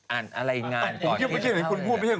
อ่านอะไรงานก่อนเที่ยวข้าวเลยหรืออ่านก่อนเที่ยวข้าวเลยหรือ